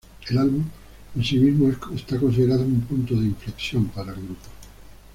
El álbum en sí mismo es considerado un punto de inflexión para el grupo.